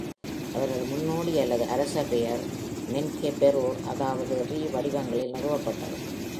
அவரது முன்னோடி அல்லது அரச பெயர், மென்கெபெரூர், அதாவது ரி வடிவங்களில் நிறுவப்பட்டது.